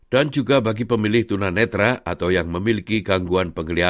dan juga bagi pemilih tunanetra atau yang memiliki gangguan pengeliatan